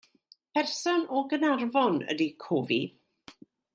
Person o Gaernarfon ydy cofi.